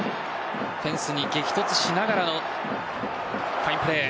フェンスに激突しながらのファインプレー。